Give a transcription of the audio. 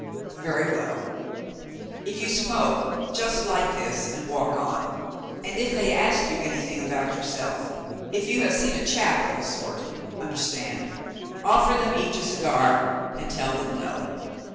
"Very well. If you smoke, just light this and walk on, and if they ask you anything about yourself, if you have seen a chap of the sort, understand, offer them each a cigar, and tell them no.